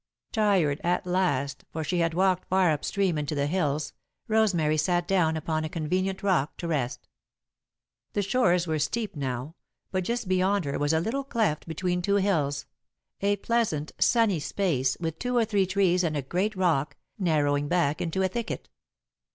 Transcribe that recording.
Tired, at last, for she had walked far upstream into the hills, Rosemary sat down upon a convenient rock to rest. The shores were steep, now, but just beyond her was a little cleft between two hills a pleasant, sunny space, with two or three trees and a great rock, narrowing back into a thicket.